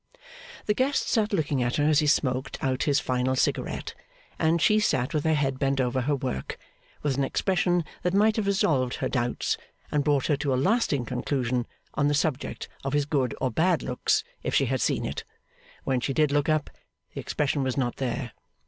The guest sat looking at her as he smoked out his final cigarette, and as she sat with her head bent over her work, with an expression that might have resolved her doubts, and brought her to a lasting conclusion on the subject of his good or bad looks if she had seen it. When she did look up, the expression was not there.